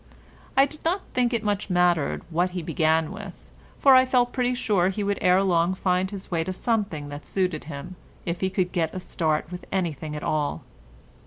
I did not think it much mattered what he began with, for I felt pretty sure he would ere long find his way to something that suited him, if he could get a start with anything at all.